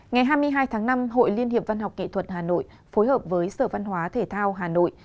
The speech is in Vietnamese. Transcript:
ngày hai mươi hai tháng năm hội liên hiệp văn học kỹ thuật hà nội phối hợp với sở văn hóa thể thao hà nội